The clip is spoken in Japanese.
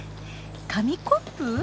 紙コップ？